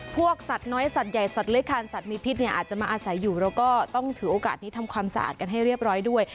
พวกสัตว์น้อยสัตว์ใหญ่สัตว์เล็กคันสัตว์มีพิษเนี่ยอาจจะมาอาศัยอยู่แล้วก็ต้องถือโอกาสนี้ทำความสะอาดกันให้เรียบร้อยด้วย